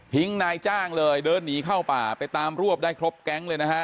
นายจ้างเลยเดินหนีเข้าป่าไปตามรวบได้ครบแก๊งเลยนะฮะ